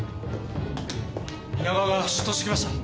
皆川が出頭してきました。